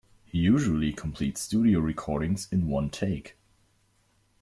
He usually completes studio recordings in one take.